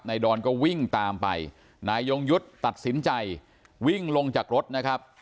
ดอนก็วิ่งตามไปนายยงยุทธ์ตัดสินใจวิ่งลงจากรถนะครับ